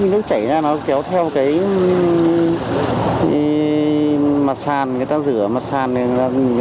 nước chảy ra nó kéo theo cái mặt sàn người ta rửa mặt sàn ra là nó có